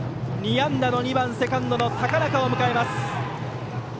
２安打の２番セカンド、高中を迎えます。